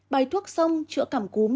bài thuốc xong chữa cảm cúm